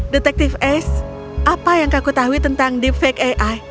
detektif ace apa yang kau ketahui tentang deepfake ai